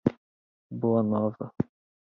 Boa Nova